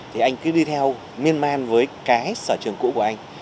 thì anh cứ đi theo liên man với cái sở trường cũ của anh